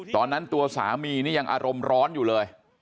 ตอนนั้นตัวสามีนี่ยังอารมณ์ร้อนอยู่เลย